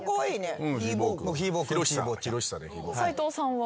斉藤さんは？